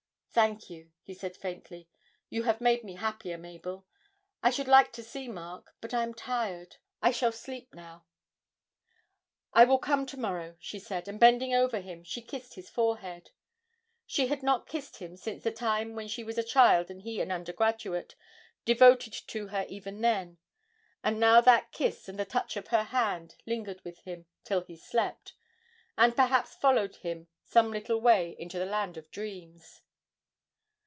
'Thank you!' he said faintly; 'you have made me happier, Mabel. I should like to see Mark, but I am tired. I shall sleep now.' 'I will come to morrow,' she said, and bending over him, she kissed his forehead. She had not kissed him since the time when she was a child and he an undergraduate, devoted to her even then; and now that kiss and the touch of her hand lingered with him till he slept, and perhaps followed him some little way into the land of dreams.